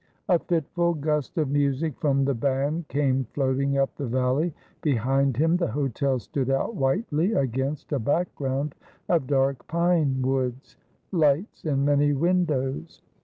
A fi.tful gust of music from the band came floating up the valley. Be hind him the hotel stood out whitely against a background of dark pme woods ; lights in many windows.